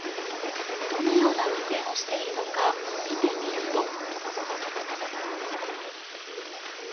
どのような運転をしているのか見てみると。